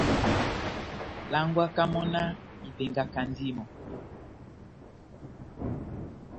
Langwaka mɔ́ náh ivengakandi mɔ́.